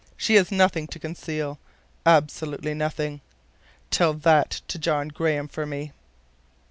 She has nothing to conceal. Absolutely nothing. Tell that to John Graham for me."